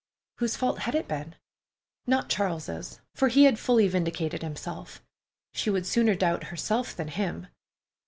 Whose fault had it been? Not Charles's, for he had fully vindicated himself. She would sooner doubt herself than him.